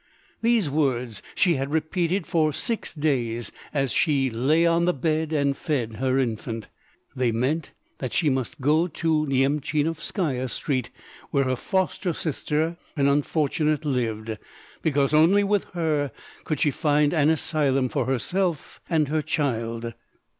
These words she had repeated for six days as she lay on the bed and fed her infant. They meant, that she must go to Nyemchinovskaya Street, where her foster sister, an unfortunate, lived, because only with her could she find an asylum for herself and her child.